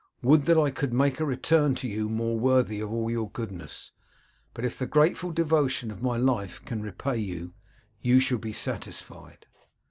Would that I could make a return to you more worthy of all your goodness; but if the grateful devotion of my life can repay you, you shall be satisfied.